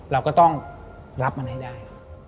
เราก็ต้องรับมันให้ได้